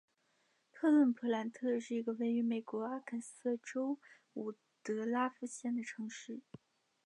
科顿普兰特是一个位于美国阿肯色州伍德拉夫县的城市。